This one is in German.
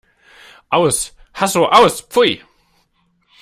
Aus! Hasso, aus! Pfui!